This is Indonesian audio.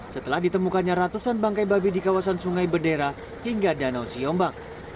setelah ditemukannya ratusan bangkai babi di kawasan sungai bendera hingga danau siombak